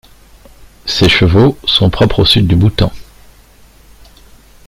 Ces chevaux sont propres au Sud du Bhoutan.